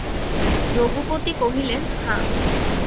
রঘুপতি কহিলেন, হাঁ।